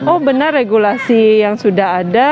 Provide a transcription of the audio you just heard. oh benar regulasi yang sudah ada